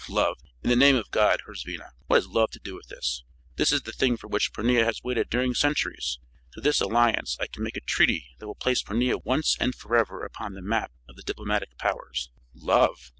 Love! In the name of God, Herzvina, what has love to do with this? This is the thing for which Pornia has waited during centuries. Through this alliance I can make a treaty that will place Pornia once and forever upon the map of the diplomatic powers. Love!"